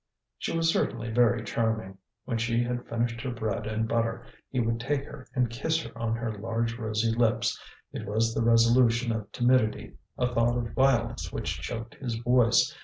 She was certainly very charming. When she had finished her bread and butter, he would take her and kiss her on her large rosy lips. It was the resolution of timidity, a thought of violence which choked his voice.